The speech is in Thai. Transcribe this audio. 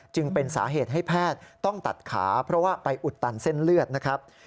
จึงเป็นสาเหตุให้แพทย์ต้องตัดขาเพราะว่าไปอุดตันเส้นเลือดนะครับ